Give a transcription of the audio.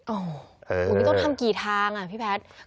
โอ้โหนี่ต้องทำกี่ทางอ่ะพี่แพทย์